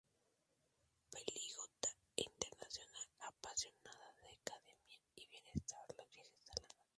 Políglota e internacional, apasionada de la academia, el bienestar, los viajes y la naturaleza.